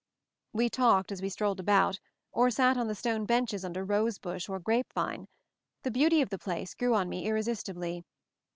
We talked as we strolled about, or sat on the stone benches under rose bush or grape vine. The beauty of the place grew on me irresistibly.